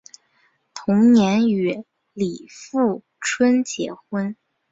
同年与李富春结婚。